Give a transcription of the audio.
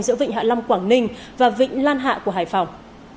giữa vịnh hạ long quảng ninh và vịnh lan hạ của hải phòng